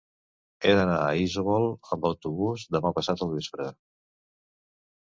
He d'anar a Isòvol amb autobús demà passat al vespre.